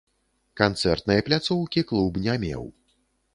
Канцэртнай пляцоўкі клуб не меў.